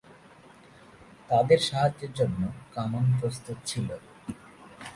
তাদের সাহায্যের জন্য কামান প্রস্তুত ছিল।